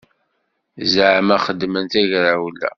Zaɛma xedmen tagrawla.